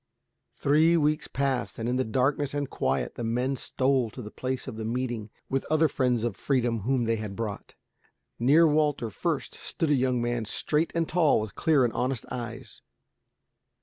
Three weeks passed, and in the darkness and quiet the men stole to the place of meeting with other friends of freedom whom they had brought. Near Walter Fürst stood a young man straight and tall with clear and honest eyes.